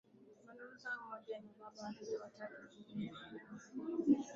na manusura mmoja tu baba wa watoto watatu huyu